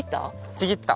ちぎった。